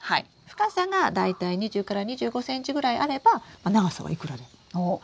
深さが大体２０２５ｃｍぐらいあれば長さはいくらでも。おっ。